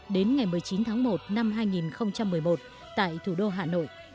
đến ngày một mươi chín tháng một năm hai nghìn một mươi một tại thủ đô hà nội